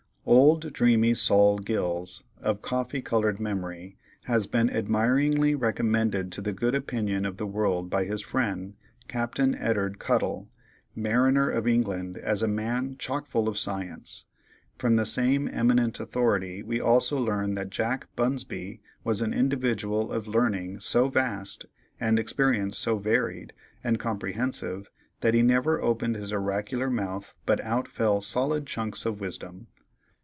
Old dreamy Sol Gills, of coffee colored memory, has been admiringly recommended to the good opinion of the world by his friend, Capt. Ed'ard Cuttle, mariner of England, as a man "chock full of science." From the same eminent authority we also learn that Jack Bunsby was an individual of learning so vast, and experience so varied and comprehensive, that he never opened his oracular mouth but out fell "solid chunks of wisdom."